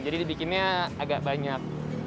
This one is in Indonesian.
jadi dibikinnya agak banyak